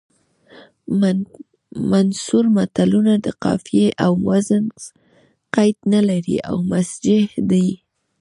منثور متلونه د قافیې او وزن قید نه لري او مسجع دي